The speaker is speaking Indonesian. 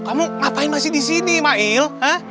kamu ngapain masih di sini mail